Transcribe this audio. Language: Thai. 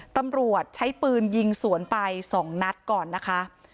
ตำรวจใช้ปืนยิงสวนไป๒นัดก่อนนะคะ